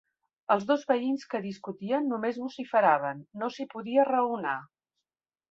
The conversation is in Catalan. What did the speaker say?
Els dos veïns que discutien només vociferaven: no s'hi podia raonar.